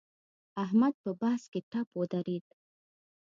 احمد په بحث کې ټپ ودرېد.